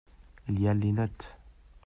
Il y a les notes.